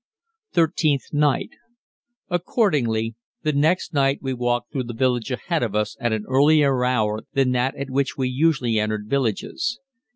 Thirteenth Night. Accordingly, the next night we walked through the village ahead of us at an earlier hour than that at which we usually entered villages.